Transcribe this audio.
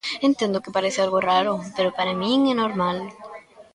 Entendo que parece algo raro, pero para min é normal.